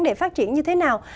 để phát triển như thế nào